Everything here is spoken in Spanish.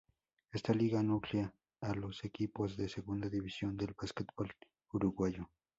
Esta liga nuclea a los equipos de Segunda División del Básquetbol uruguayo.